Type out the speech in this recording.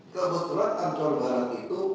kebetulan ancor barang itu